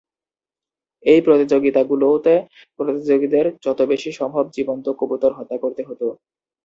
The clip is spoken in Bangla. এই প্রতিযোগিতাগুলোতে প্রতিযোগীদের যত বেশি সম্ভব জীবন্ত কবুতর হত্যা করতে হতো।